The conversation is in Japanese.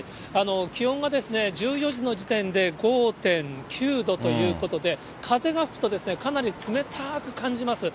気温が１４時の時点で５．９度ということで、風が吹くと、かなり冷たく感じます。